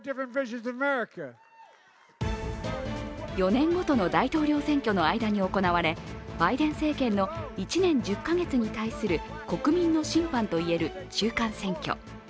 ４年ごとの大統領選挙の間に行われ、バイデン政権の１年１０か月に対する国民の審判と言える中間選挙。